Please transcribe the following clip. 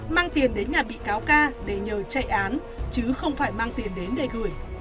mang tiền đến nhà bị cáo ca để nhờ chạy án chứ không phải mang tiền đến để gửi